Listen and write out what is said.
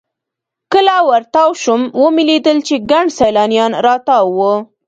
کله ورتاو سوم ومې لېدل چې ګڼ سیلانیان راتاو وو.